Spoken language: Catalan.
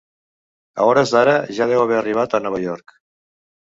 A hores d'ara ja deu haver arribat a Nova York.